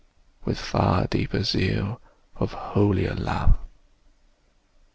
with far deeper zeal Of holier love.